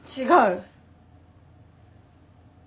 違う！